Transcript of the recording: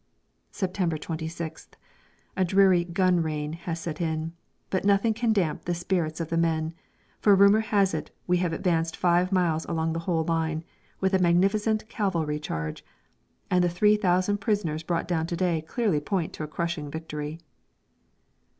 September 26th. A dreary "gun rain" has set in, but nothing can damp the spirits of the men for rumour has it we have advanced five miles along the whole line, with a magnificent cavalry charge; and the 3,000 prisoners brought down to day clearly point to a crushing victory.